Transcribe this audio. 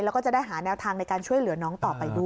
แล้วก็จะได้หาแนวทางในการช่วยเหลือน้องต่อไปด้วย